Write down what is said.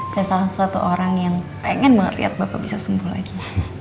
saya salah satu orang yang pengen lihat bapak bisa sembuh lagi